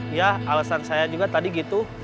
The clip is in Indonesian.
ya alasan saya juga tadi gitu